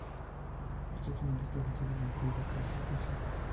Esta es una lista basada en la antigua clasificación.